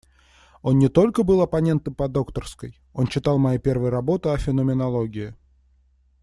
Он не только был оппонентом по докторской, он читал мои первые работы о феноменологии.